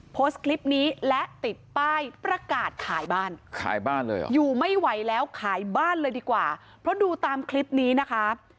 โพสต์คลิปนี้และติดป้ายประกาศขายบ้านขายบ้านเลยเหรออยู่ไม่ไหวแล้วขายบ้านเลยดีกว่าเพราะดูตามคลิปนี้นะคะ